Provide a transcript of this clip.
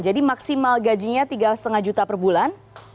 jadi maksimal gajinya rp tiga lima juta per bulan